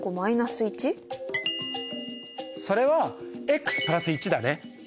それは＋１だね。